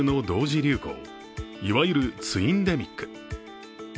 流行いわゆるツインデミック。